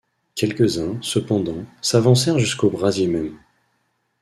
Quelques-uns, cependant, s’avancèrent jusqu’au brasier même